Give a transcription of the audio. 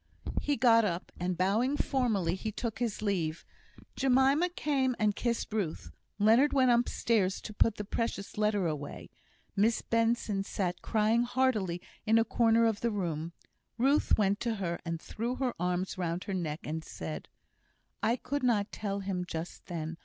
He got up, and bowing formally, he took his leave. Jemima came and kissed Ruth. Leonard went upstairs to put the precious letter away. Miss Benson sat crying heartily in a corner of the room. Ruth went to her and threw her arms round her neck, and said: "I could not tell him just then.